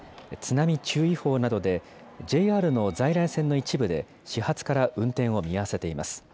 津波注意報などで、ＪＲの在来線の一部で、始発から運転を見合わせています。